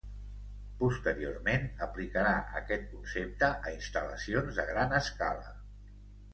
Posteriorment aplicarà aquest concepte a instal·lacions de gran escala.